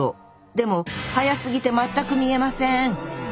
でも速すぎて全く見えません！